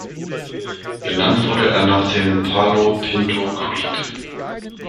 Benannt wurde es nach dem Palo Pinto Creek.